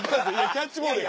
キャッチボールや。